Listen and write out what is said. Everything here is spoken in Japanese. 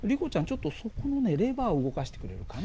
ちょっとそこのねレバーを動かしてくれるかな？